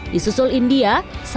di susul india